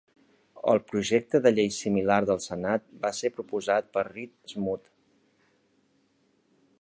El projecte de llei similar del Senat va ser proposat per Reed Smoot.